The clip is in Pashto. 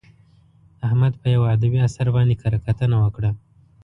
احمد په یوه ادبي اثر باندې کره کتنه وکړه.